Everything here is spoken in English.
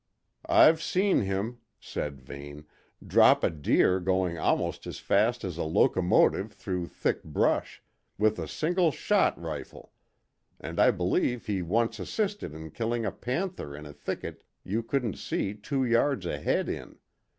"I've seen him," said Vane, "drop a deer going almost as fast as a locomotive through thick brush, with a single shot rifle, and I believe he once assisted in killing a panther in a thicket you couldn't see two yards ahead in.